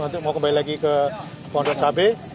nanti mau kembali lagi ke pondok cabe